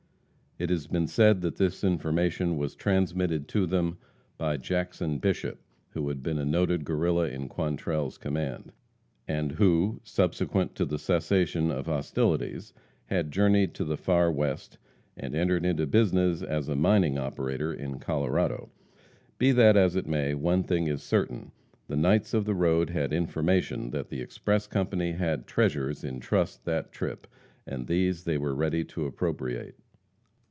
It has been said that this information was transmitted to them by Jackson Bishop, who had been a noted Guerrilla in Quantrell's command, and who, subsequent to the cessation of hostilities, had journeyed to the "Far West," and entered into business as a mining operator in Colorado. Be that as it may, one thing is certain, the knights of the road had information that the express company had treasures in trust that trip, and these they were ready to appropriate.